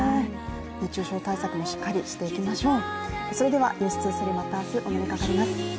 熱中症対策もしっかりしていきましょう。